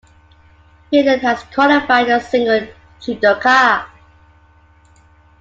Finland has qualified a single judoka.